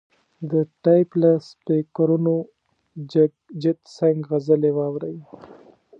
د ټیپ له سپیکرونو جګجیت سنګ غزلې واوري.